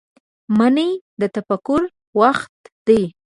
منی د تفکر وخت دی